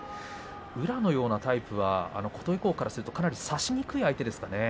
宇良のようなタイプは琴恵光からするとかなり差しにくい相手ですかね。